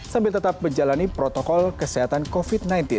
sambil tetap menjalani protokol kesehatan covid sembilan belas